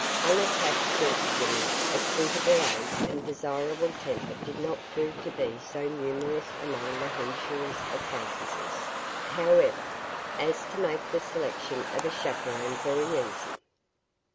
Unattached gentlewomen of suitable age and desirable temper did not prove to be so numerous among the Henshaws' acquaintances, however, as to make the selection of a chaperon very easy.